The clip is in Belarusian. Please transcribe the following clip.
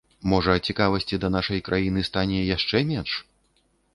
Можа, цікавасці да нашай краіны стане яшчэ менш?